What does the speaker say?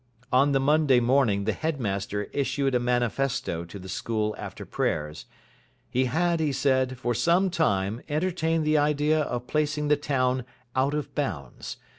On the Monday morning the headmaster issued a manifesto to the school after prayers. He had, he said, for some time entertained the idea of placing the town out of bounds.